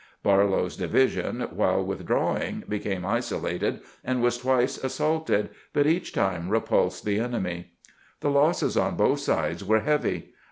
Barlow's division, while withdrawing, became isolated, and was twice assaulted, but each time repulsed the enemy. The losses on both sides were heavy.